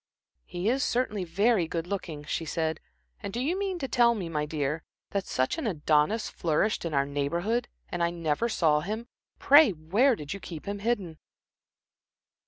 "He is certainly very good looking," she said. "And do you mean to tell me, my dear, that such an Adonis flourished in our Neighborhood, and I never saw him. Pray, where did you keep him hidden?"